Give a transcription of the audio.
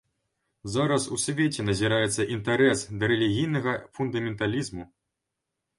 Зараз у свеце назіраецца інтарэс ды рэлігійнага фундаменталізму.